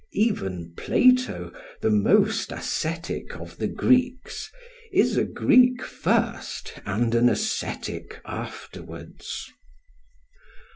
Even Plato, the most ascetic of the Greeks, is a Greek first and an ascetic afterwards.